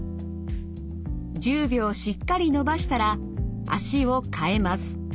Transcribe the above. １０秒しっかり伸ばしたら脚をかえます。